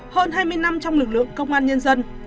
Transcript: hơn hai mươi năm trong lực lượng công an nhân dân